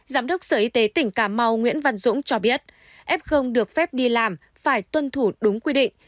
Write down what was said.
giám đốc sở y tế tỉnh cà mau nguyễn văn dũng cho biết f được phép đi làm phải tuân thủ đúng quy định